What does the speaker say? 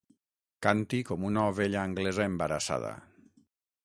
Canti com una ovella anglesa embarassada.